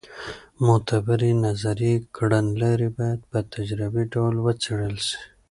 معتبرې نظري کړنلارې باید په تجربي ډول وڅېړل سي.